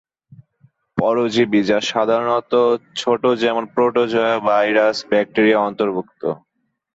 পরজীবী যা সাধারণত ছোট যেমন প্রোটোজোয়া, ভাইরাস, ব্যাকটেরিয়া অন্তর্ভুক্ত।